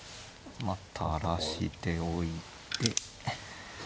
垂らしておいて。